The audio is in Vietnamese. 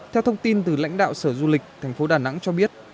theo thông tin từ lãnh đạo sở du lịch thành phố đà nẵng cho biết